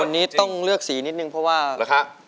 สุดยอดจริงคุณนี้ต้องเลือกสีนิดหนึ่งเพราะว่าแล้วคะ